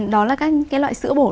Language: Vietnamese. đó là các loại sữa bổ